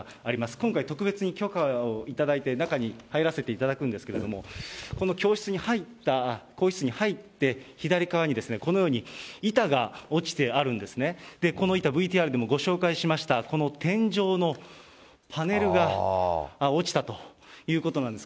今回、特別に許可を頂いて、中に入らせていただくんですけれども、この更衣室に入って左側に、このように板が落ちてあるんですね、この板、ＶＴＲでもご紹介しました、この天井のパネルが落ちたということなんです。